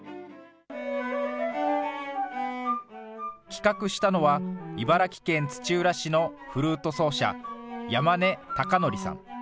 企画したのは、茨城県土浦市のフルート奏者、山根尊典さん。